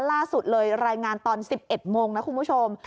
ล่าสุดเลยรายงานตอน๑๑โมงนะคุณผู้ชม